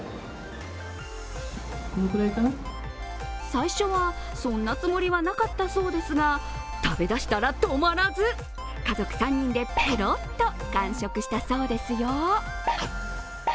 最初は、そんなつもりはなかったそうですが、食べ出したら止まらず家族３人でペロッと完食したそうですよ。